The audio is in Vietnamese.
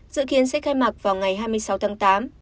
dự kiến sẽ khai mạc vào ngày hai mươi sáu tháng tám